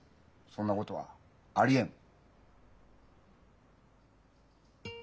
そんなことはありえん。